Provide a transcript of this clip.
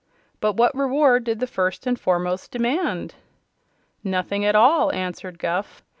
But what reward did the First and Foremost demand?" "Nothing at all," answered Guph.